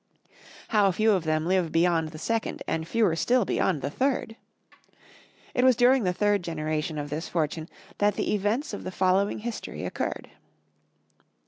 How few of them live beyond the second, and fewer still beyond the third! It was during the third generation of this fortune that the events of the following history occurred.